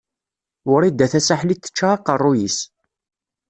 Wrida Tasaḥlit tečča aqeṛṛuy-is.